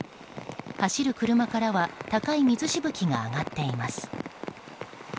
走る車からは高い水しぶきが上がっています。